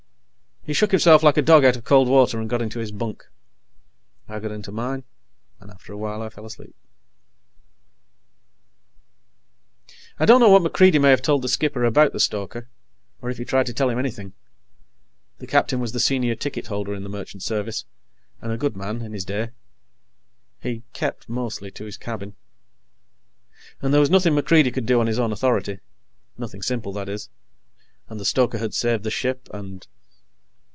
He shook himself like a dog out of cold water, and got into his bunk. I got into mine, and after a while I fell asleep. I don't know what MacReidie may have told the skipper about the stoker, or if he tried to tell him anything. The captain was the senior ticket holder in the Merchant Service, and a good man, in his day. He kept mostly to his cabin. And there was nothing MacReidie could do on his own authority nothing simple, that is. And the stoker had saved the ship, and